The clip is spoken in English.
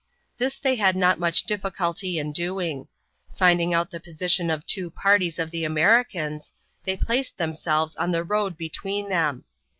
This they had not much difficulty in doing. Finding out the position of two parties of the Americans, they placed themselves on the road between them.